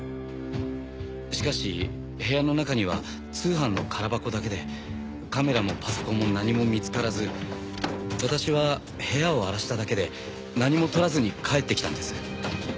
しかし部屋の中には通販の空箱だけでカメラもパソコンも何も見つからず私は部屋を荒らしただけで何も盗らずに帰ってきたんです。